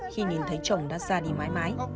khi nhìn thấy chồng đã ra đi mãi mãi